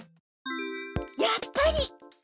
やっぱり！